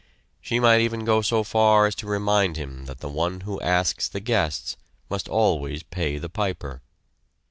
She might even go so far as to remind him that the one who asks the guests must always pay the piper.